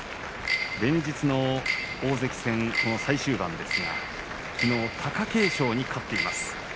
連日の大関戦、最終盤ですがきのう貴景勝に勝っています。